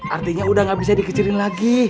artinya udah gak bisa dikecilin lagi